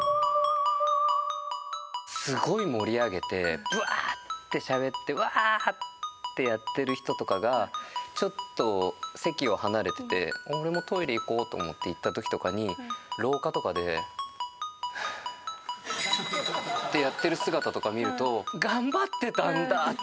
すごい盛り上げてブワーッてしゃべってワーッてやってる人とかがちょっと席を離れてて俺もトイレ行こうと思って行った時とかに廊下とかで「ふう」ってやってる姿とか見ると。